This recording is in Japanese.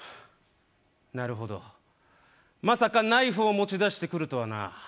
なるほど、まさかナイフを持ち出してくるとはな。